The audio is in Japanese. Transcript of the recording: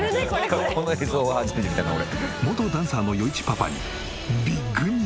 「この映像は初めて見たな俺」